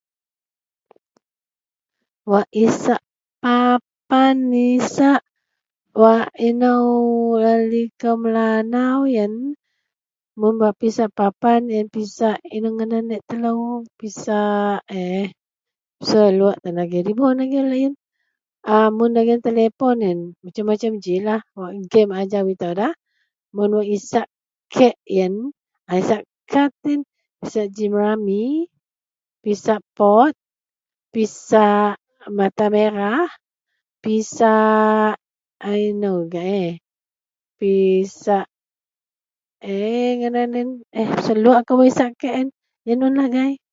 Wak isak papan isak wak eno laei liko Melanau iyen mun bak pisak papan ino ngadan laei telo da eh peselok ino da iboh un agei wak iyen. Mun dagen telepon masem-masem ji game ajou ito. Mun isak kek Mun kad isak jim rami isak pot pisak mata merah pisak eno agei eh. Pisak......Peselok kou wak isak kek iyen un agei